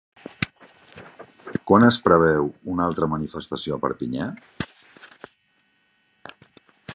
Quan es preveu una altra manifestació a Perpinyà?